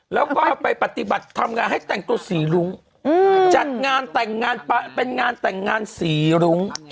แล้วก็ไปปฏิบัติทำงานให้แต่งตัวสีรุ้งจัดงานแต่งงานเป็นงานแต่งงานสีรุ้ง